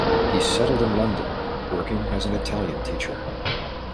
He settled in London, working as an Italian teacher.